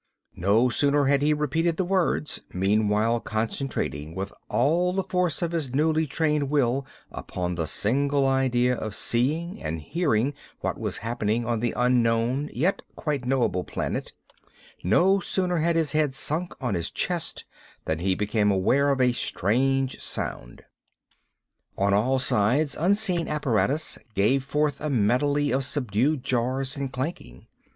No sooner had he repeated the words, meanwhile concentrating with all the force of his newly trained will upon the single idea of seeing and hearing what was happening on the unknown, yet quite knowable planet no sooner had his head sunk on his chest than he became aware of a strange sound. On all sides unseen apparatus gave forth a medley of subdued jars and clankings.